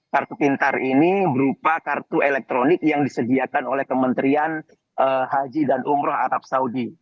kartu pintar ini berupa kartu elektronik yang disediakan oleh kementerian haji dan umroh arab saudi